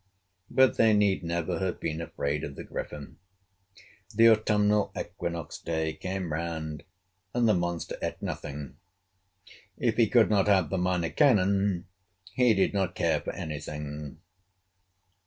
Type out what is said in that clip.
But they need never have been afraid of the Griffin. The autumnal equinox day came round, and the monster ate nothing. If he could not have the Minor Canon, he did not care for any thing.